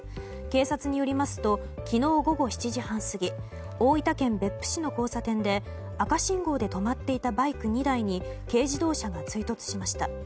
警察によりますと昨日午後７時半過ぎ大分県別府市の交差点で赤信号で止まっていたバイク２台に軽自動車が追突しました。